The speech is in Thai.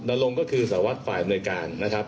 ลงก็คือสารวัตรฝ่ายอำนวยการนะครับ